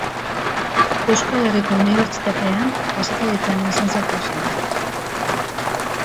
Euskal Herriko Unibertsitatean Kazetaritzan lizentziatu zen.